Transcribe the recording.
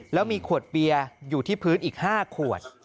แล้วมีขวดเบียร์อยู่ที่พื้นอีก๕ขวด